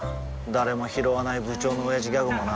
誰もひろわない部長のオヤジギャグもな